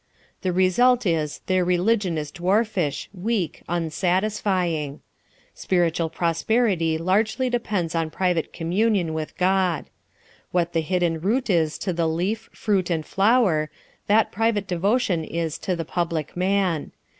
The result is their religion is dwarfish, weak, unsatisfying. Spiritual prosperity largely depends on private communion with God. What the hidden root is to the leaf, fruit and flower, that private devotion is to the public man.